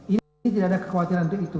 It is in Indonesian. ini tidak ada kekhawatiran untuk itu